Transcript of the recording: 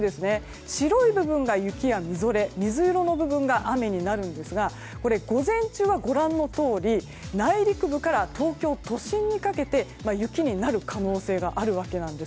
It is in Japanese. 白い部分が雪やみぞれで水色の部分が雨ですが午前中はご覧のとおり内陸部から東京都心にかけて雪になる可能性があります。